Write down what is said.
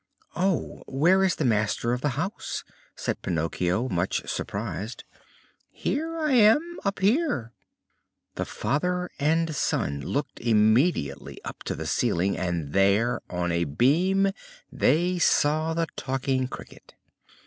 "Oh! where is the master of the house?" said Pinocchio, much surprised. "Here I am, up here!" The father and son looked immediately up to the ceiling, and there on a beam they saw the Talking Cricket.